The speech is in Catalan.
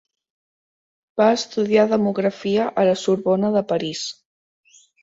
Va estudiar demografia a La Sorbona de París.